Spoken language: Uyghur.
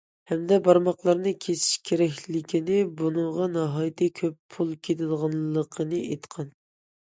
ھەمدە بارماقلىرىنى كېسىش كېرەكلىكىنى، بۇنىڭغا ناھايىتى كۆپ پۇل كېتىدىغانلىقىنى ئېيتقان.